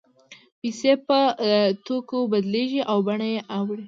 پیسې په توکو بدلېږي او بڼه یې اوړي